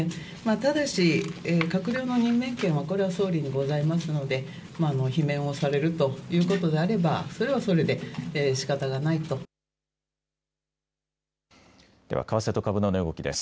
ただし、閣僚の任命権は総理にございますので罷免されるということになればそれはそれで、しかたがないと。では為替と株の値動きです。